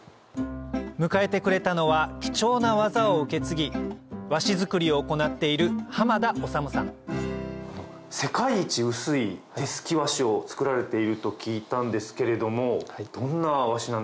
迎えてくれたのは貴重な技を受け継ぎ和紙作りを行っている世界一薄い手漉き和紙を作られていると聞いたんですけれども。